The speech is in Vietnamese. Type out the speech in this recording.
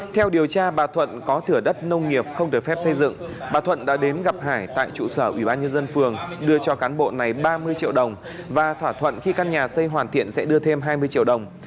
theo điều tra bà thuận có thửa đất nông nghiệp không được phép xây dựng bà thuận đã đến gặp hải tại trụ sở ủy ban nhân dân phường đưa cho cán bộ này ba mươi triệu đồng và thỏa thuận khi căn nhà xây hoàn thiện sẽ đưa thêm hai mươi triệu đồng